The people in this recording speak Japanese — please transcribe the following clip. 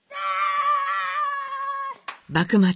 幕末